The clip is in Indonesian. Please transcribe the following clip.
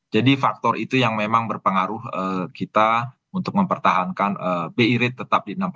jadi faktor itu yang memang berpengaruh kita untuk mempertahankan bi rate tetap di enam